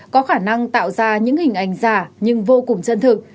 có khả năng tạo ra những hình ảnh giả nhưng vô cùng chân thực